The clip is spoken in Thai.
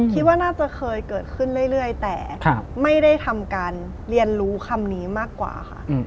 คิดว่าน่าจะเคยเกิดขึ้นเรื่อยแต่ไม่ได้ทำการเรียนรู้คำนี้มากกว่าค่ะ